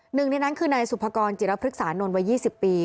หนึ่งในนั้นคือนายสุภกรจิรพฤกษานนท์วัย๒๐ปี